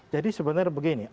jadi sebenarnya begini